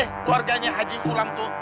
keluarganya haji sulam tuh